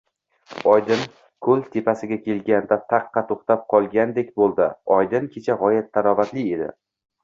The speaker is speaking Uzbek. Oydinkoʼl tepasiga kelganda taqqa toʼxtab qolgandek boʼldi. Oydin kecha gʼoyat tarovatli edi.